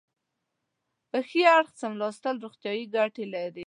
په ښي اړخ څملاستل روغتیایي ګټې لري.